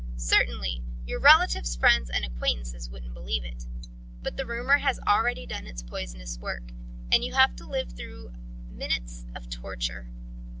Certainly your relatives, friends and acquaintances wouldn't believe it. But the rumour has already done its poisonous work, and you have to live through minutes of torture.